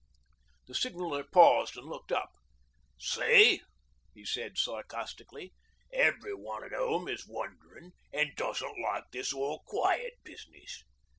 "' The Signaller paused and looked up. 'See?' he said sarcastically. 'Everyone at 'ome is wonderin', an' doesn't like this "all quiet" business.